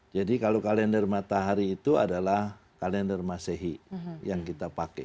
jadi kalau kalender matahari itu adalah kalender masehi yang kita pakai